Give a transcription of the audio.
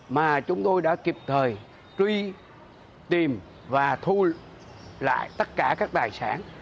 mà chúng tôi đã kịp thời truy tìm và thu lại tất cả các tài sản